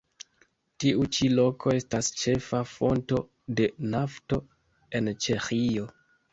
Tiu ĉi loko estas ĉefa fonto de nafto en Ĉeĥio.